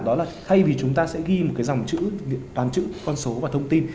đó là thay vì chúng ta sẽ ghi một cái dòng chữ toán chữ con số và thông tin